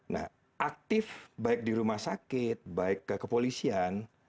nah aktif baik di rumah sakit baik ke kepolisian